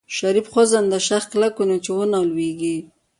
شريف خوځنده شاخ کلک ونيو چې ونه لوېږي.